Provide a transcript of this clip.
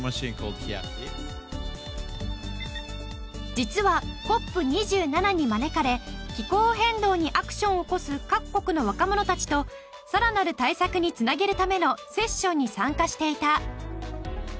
実はＣＯＰ２７に招かれ気候変動にアクションを起こす各国の若者たちとさらなる対策につなげるためのセッションに参加していた。